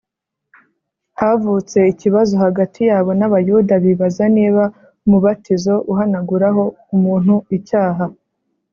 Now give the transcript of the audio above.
Havutse ikibazo hagati yabo n’Abayuda bibaza niba umubatizo uhanaguraho umuntu icyaha